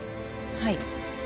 はい。